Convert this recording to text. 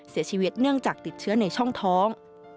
เสียชีวิตเนื่องจากติดเชื้อในช่องท้อง